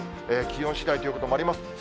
気温しだいということもあります。